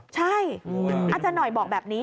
ใช่อาจารย์หน่อยบอกแบบนี้